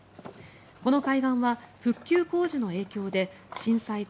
この海岸は復旧工事の影響で震災後